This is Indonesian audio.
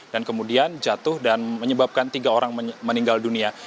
dan kemudian jatuh dan menyebabkan tiga orang meninggal dunia